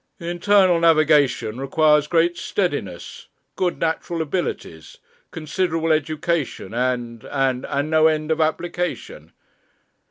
'The Internal Navigation requires great steadiness, good natural abilities, considerable education, and and and no end of application.